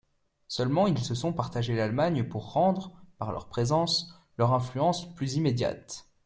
Seulement ils se sont partagés l'Allemagne pour rendre, par leur présence, leur influence plus immédiate.